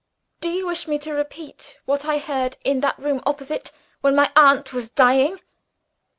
"Do you wish me to repeat what I heard in that room opposite, when my aunt was dying?"